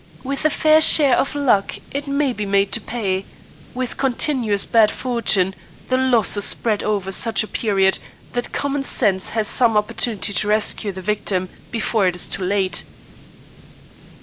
With a fair share of luck it may be made to pay; with continuous bad fortune the loss is spread over such a period that common sense has some opportunity to rescue the victim before it is too late.